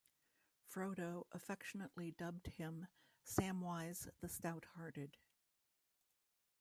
Frodo affectionately dubbed him "Samwise the stouthearted".